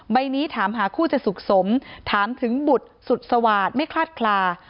ใบนี้ถามหาคู่จะสุขสมถามถึงบุตรสุดสวาสตร์ไม่คลาดคลา